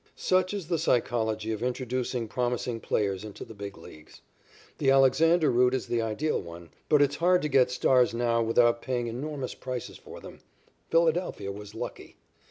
Such is the psychology of introducing promising pitchers into the Big Leagues. The Alexander route is the ideal one, but it's hard to get stars now without paying enormous prices for them. Philadelphia was lucky.